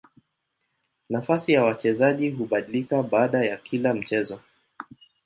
Nafasi ya wachezaji hubadilika baada ya kila mchezo.